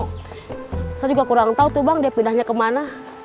saya juga kurang tahu tuh bang dia pindahnya kemana